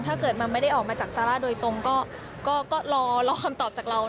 ถ้าเกิดมันไม่ได้ออกมาจากซาร่าโดยตรงก็รอคำตอบจากเรา